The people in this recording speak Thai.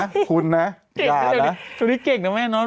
จุดนี้เก่งนะแม่น้อง